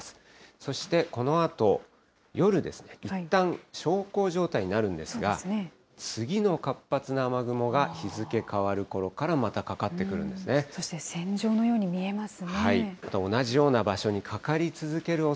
そしてこのあと夜ですね、いったん小康状態になるんですが、次の活発な雨雲が、日付変わるころかそして線状のように見えます